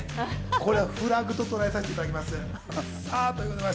これはフラグととらえさせていただきます。